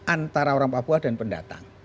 antara orang papua dan pendatang